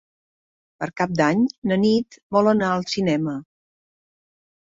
Per Cap d'Any na Nit vol anar al cinema.